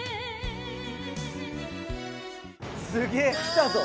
すげえ来たぞ。